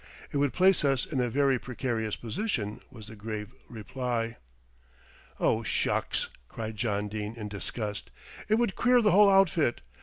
"It would place us in a very precarious position," was the grave reply. "Oh, shucks!" cried John Dene in disgust. "It would queer the whole outfit.